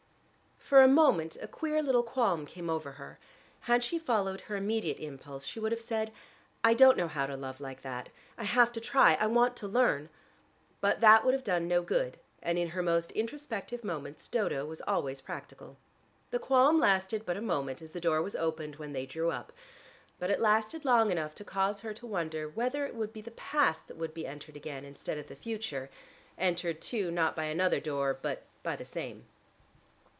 For a moment a queer little qualm came over her. Had she followed her immediate impulse, she would have said, "I don't know how to love like that. I have to try: I want to learn." But that would have done no good, and in her most introspective moments Dodo was always practical. The qualm lasted but a moment, as the door was opened, when they drew up. But it lasted long enough to cause her to wonder whether it would be the past that would be entered again instead of the future, entered, too, not by another door, but by the same.